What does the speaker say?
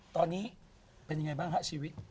ตอนนี้เป็นยังไงบ้างฮะชีวิต